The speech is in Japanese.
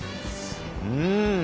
うん。